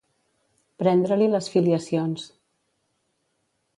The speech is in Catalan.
Prendre-li les filiacions.